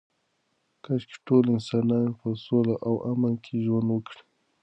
کاشکې ټول انسانان په سوله او امن کې ژوند وکړي.